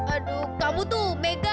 aduh kamu tuh megah